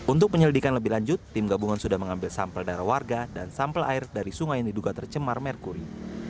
untuk penyelidikan lebih lanjut tim gabungan sudah mengambil sampel darah warga dan sampel air dari sungai yang diduga tercemar merkuri